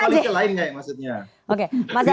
ini hanya hal yang lain maksudnya